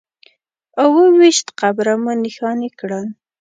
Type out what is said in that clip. اووه ویشت قبره مو نښانې کړل.